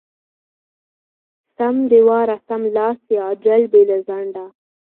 سم د واره= سملاسې، عاجل، بې له ځنډه.